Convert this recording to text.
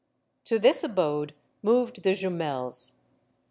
To this abode moved the Jumels.